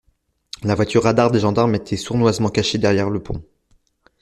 La voiture radar des gendarmes était sournoisement cachée derrière le pont.